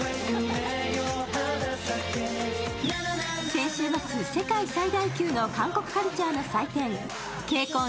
先週末、世界最大級の韓国カルチャーの祭典、ＫＣＯＮ２０２２